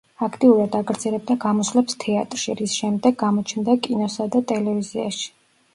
აქტიურად აგრძელებდა გამოსვლებს თეატრში, რის შემდეგ გამოჩნდა კინოსა და ტელევიზიაში.